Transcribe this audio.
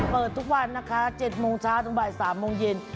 เปิดทุกวันนะคะ๗โมงเช้าถึงบ่าย๓โมงเย็น